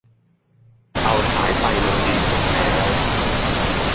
เอาสายไฟลงดินหมดแล้ว